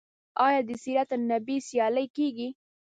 آیا د سیرت النبی سیالۍ کیږي؟